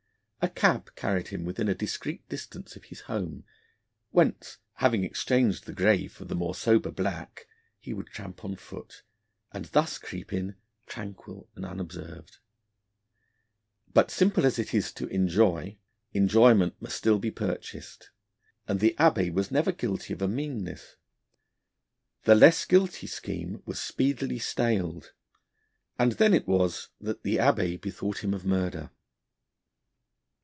A cab carried him within a discreet distance of his home, whence, having exchanged the grey for the more sober black, he would tramp on foot, and thus creep in tranquil and unobserved. But simple as it is to enjoy, enjoyment must still be purchased, and the Abbé was never guilty of a meanness. The less guilty scheme was speedily staled, and then it was that the Abbé bethought him of murder.